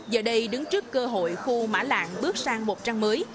giờ đây đứng trước cơ hội khu mã lạng bước sang một trang mới